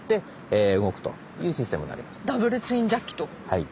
はい。